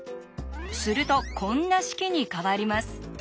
するとこんな式に変わります。